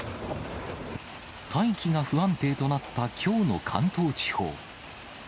大気が不安定となったきょうの関東地方。